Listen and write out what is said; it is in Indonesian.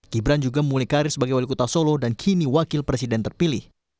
gibran juga memulai karir sebagai wali kota solo dan kini wakil presiden terpilih